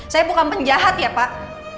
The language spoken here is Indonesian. saya bukan penjahat ya pak